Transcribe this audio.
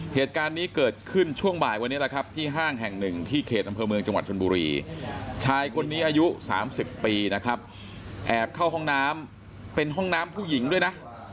เหตุการณ์นี้เกิดขึ้นช่วงบ่ายวันนี้แหละครับที่ห้างแห่งหนึ่งที่เขตอำเภอเมืองจังหวัดชนบุรีชายคนนี้อายุ๓๐ปีนะครับแอบเข้าห้องน้ำเป็นห้องน้ำผู้หญิงด้วยนะ